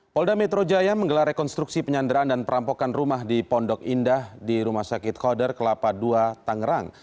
polda metro jaya menggelar rekonstruksi penyanderaan dan perampokan rumah di pondok indah di rumah sakit koder kelapa dua tangerang